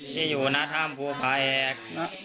ที่อยู่นะวัดธรรมภูภาเอก